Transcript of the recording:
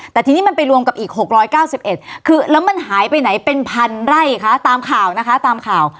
แต่ทีนี้มันไปรวมกับอีก๖๙๑คือแล้วมันหายไปไหนเป็นพันไร่คะตามข่าวนะคะตามข่าว